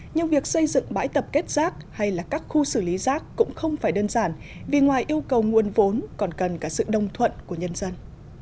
nhưng việc xây dựng bãi tập kết rác hay là các khu xử lý rác cũng không phải đơn giản vì ngoài yêu cầu nguồn vốn còn cần cả sự đồng thuận của nhân dân